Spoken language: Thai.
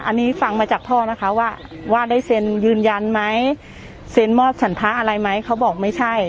อันนี้ฟังมาจากพ่อนะคะว่าว่าได้เซ็นยืนยันไหมเซ็นมอบฉันพระอะไรไหมเขาบอกไม่ใช่